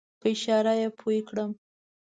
په اشاره یې پوی کړم.